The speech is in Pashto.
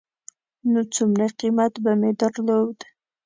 نو څومره قېمت به مې درلود.